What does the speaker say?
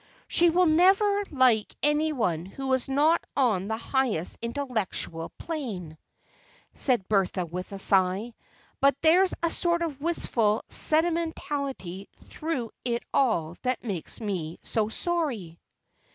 "She will never like anyone who is not on the highest intellectual plane," said Bertha with a sigh; "but there's a sort of wistful sentimentality through it all that makes me so sorry!"